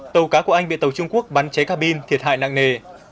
tàu cá của anh bị tàu trung quốc bắn cháy ca bin thiệt hại nặng nề